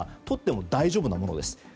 とっても大丈夫なものです。